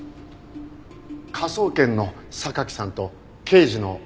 科捜研の榊さんと刑事の土門さん。